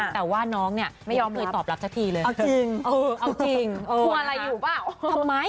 แต่ว่าน้องเนี่ยไม่ยอมลึกตอบลับชัดทีเลยเอาจริงโทรอะไรอยู่เปล่า